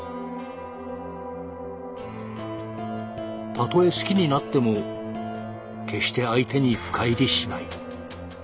たとえ好きになっても決して相手に深入りしない。